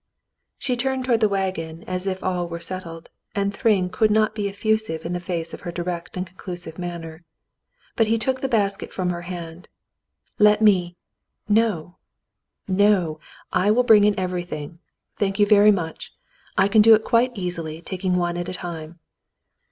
She turned toward the wagon as if all were settled, and Thryng could not be effusive in the face of her direct and conclusive manner ; but he took the basket from her hand. " Let me — no, no — I will bring in everything. Thank you very much. I can do it quite easily, taking one at a time."